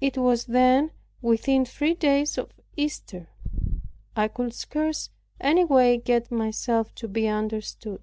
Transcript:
It was then within three days of Easter. I could scarce any way get myself to be understood.